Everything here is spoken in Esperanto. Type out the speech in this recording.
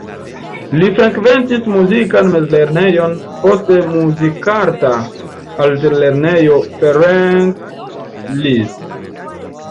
Li frekventis muzikan mezlernejon, poste Muzikarta Altlernejo Ferenc Liszt.